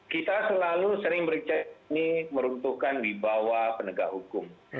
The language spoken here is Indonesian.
kita selalu sering meruntuhkan di bawah penegak hukum